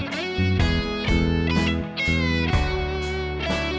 เป็นค่าที่